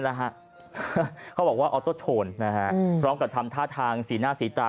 แหละฮะเขาบอกว่านะฮะพร้อมกับทำท่าทางสีหน้าสีตา